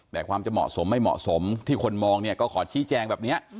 แต่ความจะเหมาะสมไม่เหมาะสมที่คนมองเนี่ยก็ขอชี้แจงแบบนี้